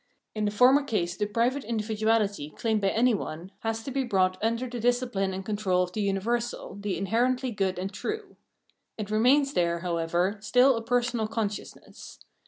In the former case the private individuality claimed by any one has to be brought under the disci pline and control of the universal, the inherently good and true. It remains there, however, still a personal con sciousness.